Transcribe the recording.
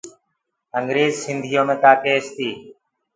انٚگريج سنٚڌيو مي ڪآ ڪيس تيٚ